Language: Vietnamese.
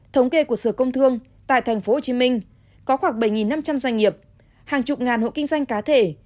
thống kê của sở công thương tại tp hcm có khoảng bảy năm trăm linh doanh nghiệp hàng chục ngàn hộ kinh doanh cá thể